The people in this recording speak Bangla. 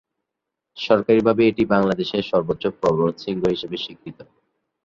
সরকারিভাবে এটি বাংলাদেশের সর্বোচ্চ পর্বতশৃঙ্গ হিসেবে স্বীকৃত।